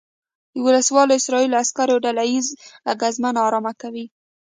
د وسلوالو اسرائیلي عسکرو ډله ییزه ګزمه نا ارامه کوي.